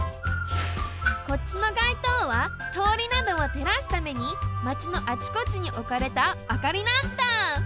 こっちの街灯はとおりなどをてらすためにマチのあちこちにおかれたあかりなんだ。